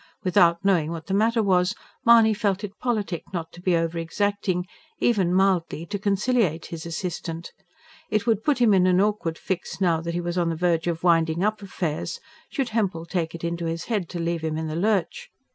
Without knowing what the matter was, Mahony felt it politic not to be over exacting even mildly to conciliate his assistant. It would put him in an awkward fix, now that he was on the verge of winding up affairs, should Hempel take it in his head to leave him in the lurch.